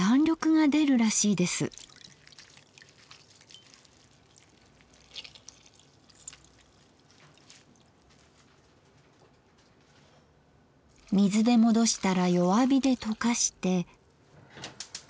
水で戻したら弱火で溶かして。